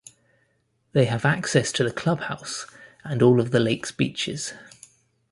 They have access to the clubhouse, and all of the lake's beaches.